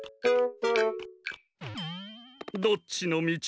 どっちのみち？